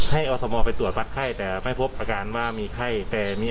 อสมไปตรวจวัดไข้แต่ไม่พบอาการว่ามีไข้แต่มี